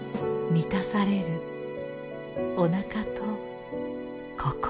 満たされるお腹と心。